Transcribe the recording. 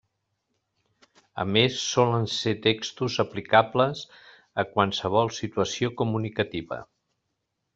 A més, solen ser textos aplicables a qualsevol situació comunicativa.